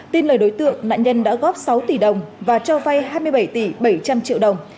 tin lời đối tượng nạn nhân đã góp sáu tỷ đồng và cho vay hai mươi bảy tỷ bảy trăm linh triệu đồng